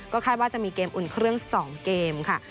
คาดว่าจะมีเกมอุ่นเครื่อง๒เกมค่ะ